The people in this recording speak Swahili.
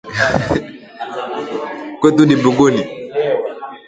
Kwetu ni mbinguni